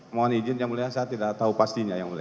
mohon izin yang mulia saya tidak tahu pastinya yang mulia